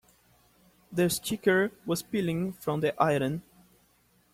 The sticker was peeling from the item.